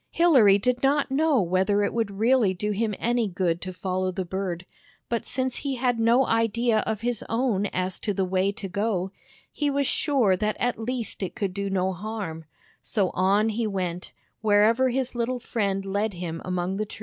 Hilary did not know whether it would really do him any good to follow the bird, but since he had no idea of his own as to the way to go, he was sure that at least it could do no harm; so on he went, wherever his little friend led him among the trees.